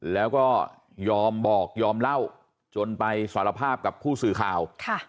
แล้วก็ยอมบอกยอมเล่าจนไปสารภาพกับผู้สื่อข่าว